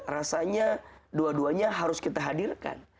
rasanya dua duanya harus kita hadirkan